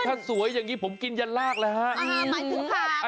ถ้าสวยอย่างงี้ผมกินยันรากแล้วฮะ